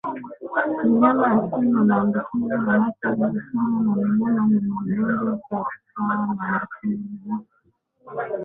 Mnyama asiye na maambukizi anapogusana na mnyama mwenye ugonjwa hupata maambuziki